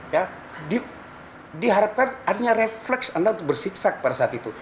ya diharapkan adanya refleks anda untuk bersiksa pada saat itu